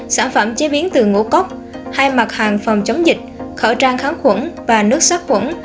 sản phẩm chế biến từ ngũ cốc hai mặt hàng phòng chống dịch khẩu trang kháng khuẩn và nước sát khuẩn